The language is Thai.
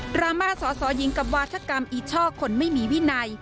รามาสอสอหญิงกับวาธกรรมอีช่อคนไม่มีวินัย